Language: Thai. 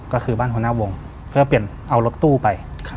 ก็คือบ้านหัวหน้าวงเพื่อเปลี่ยนเอารถตู้ไป